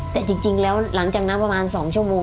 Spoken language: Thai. แต่จริงแล้วหลังจากนั้นประมาณ๒ชั่วโมง